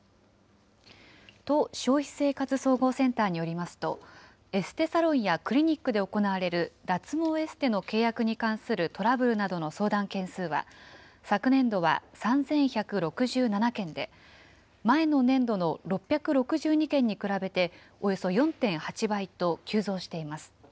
都消費生活総合センターによりますと、エステサロンやクリニックで行われる脱毛エステの契約に関するトラブルなどの相談件数は、昨年度は３１６７件で、前の年度の６６２件に比べておよそ４．８倍と急増しています。